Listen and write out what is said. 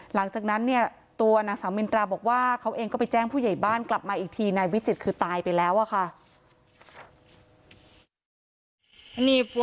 หลังจากนั้นเนี่ยตัวนางสามินตราบอกว่าเขาเองก็ไปแจ้งผู้ใหญ่บ้านกลับมาอีกที